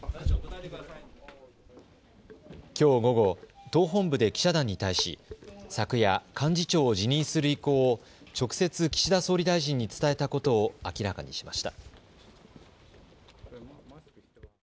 きょう午後、党本部で記者団に対し昨夜、幹事長を辞任する意向を直接、岸田総理大臣に伝えたことを明らかにしました。